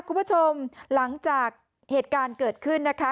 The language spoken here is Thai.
คุณผู้ชมหลังจากเหตุการณ์เกิดขึ้นนะคะ